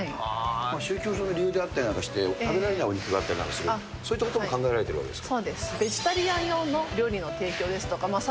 宗教上の理由であったりして、食べられないお肉があったりする、そういったことも考えられているわけですか。